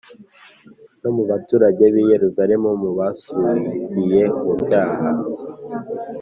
No mu baturage b i yerusalemu basubiye mu byaha